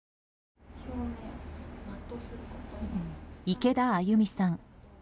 池田鮎美さん。